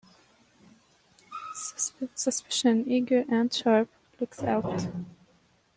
Suspicion, eager and sharp, looks out.